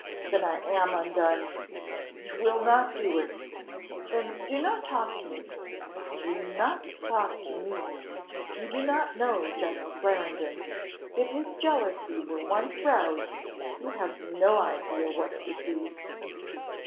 Then I am undone! You will not do it! Then do not talk to me do not talk to me you do not know General Clarendon. If his jealousy were once roused, you have no idea what it would be."